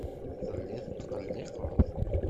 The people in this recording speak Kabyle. Telliḍ tetqelliqeḍ.